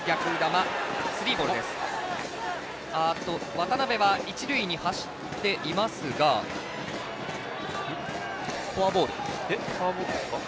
渡邉は一塁に走っていますがフォアボール。